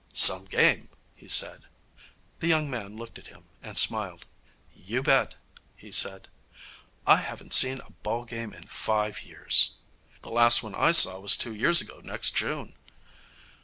'Some game!' he said. The young man looked at him and smiled. 'You bet,' he said. 'I haven't seen a ball game in five years.' 'The last one I saw was two years ago next June.'